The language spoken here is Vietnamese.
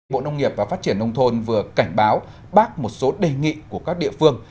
bộ nông nghiệp và phát triển nông thôn vừa cảnh báo bác một số đề nghị của các địa phương